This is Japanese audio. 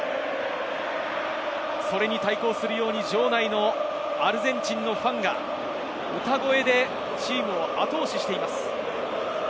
それに対抗するように、場内のアルゼンチンのファンが歌声でチームを後押ししています。